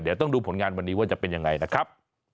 เดี๋ยวต้องดูผลงานวันนี้ว่าจะเป็นยังไงนะครับ